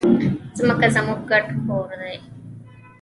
ځمکه زموږ ګډ کور دی.